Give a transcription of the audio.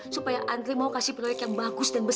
supaya andri mau kasih proyek yang bagus dan besar